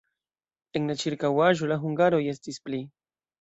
En la ĉirkaŭaĵo la hungaroj estis pli.